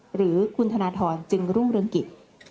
หรือคุณธนทรจึงรุ่งเรืองกิจ